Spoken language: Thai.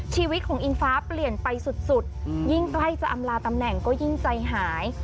ชีวิตของอิงฟ้าเปลี่ยนไปสุดยิ่งใกล้จะอำลาตำแหน่งก็ยิ่งใจหาย